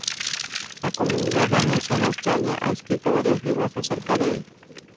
La comunidad danesa en Australia ha escrito varios libros acerca de ella.